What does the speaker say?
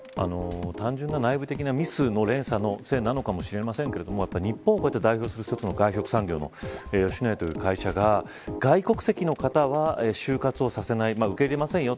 単純な内部的なミスの連鎖のせいなのかもしれませんけれども日本を代表する一つの外食産業の吉野家という会社が外国籍の方は就活をさせない受け入れませんよ。